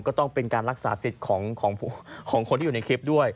ก็ต้องเป็นการรักษาสิทธิ์ของคนที่อยู่ในคลิปด้วย